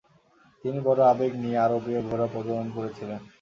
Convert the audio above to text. তিনি বড় আবেগ নিয়ে আরবীয় ঘোড়া প্রজনন করেছিলেন।